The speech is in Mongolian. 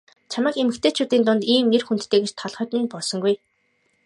Чамайг эмэгтэйчүүдийн дунд ийм нэр хүндтэй гэж толгойд минь буусангүй.